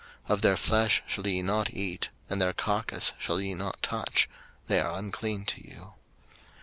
03:011:008 Of their flesh shall ye not eat, and their carcase shall ye not touch; they are unclean to you.